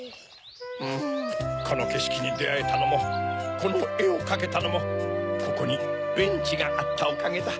うんこのけしきにであえたのもこのえをかけたのもここにベンチがあったおかげだ。